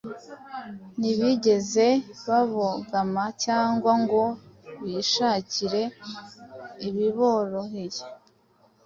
ntibigeze babogama cyangwa ngo bishakire ibiboroheye